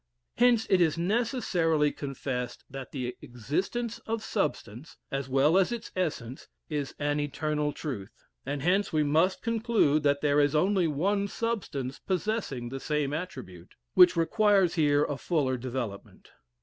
Hence it is necessarily confessed that the existence of substance, as well as its essence, is an eternal truth. And hence we must conclude that there is only one substance possessing the same attribute, which requires here a fuller development.